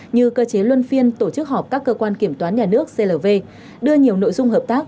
như cơ chế luân phiên tổ chức họp các cơ quan kiểm toán nhà nước clv đưa nhiều nội dung hợp tác